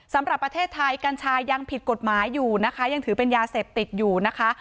สำหรับประเทศไทยกัญชายังผิดกฎหมายอยู่นะคะยังถือเป็นยาเสพติดอยู่นะคะ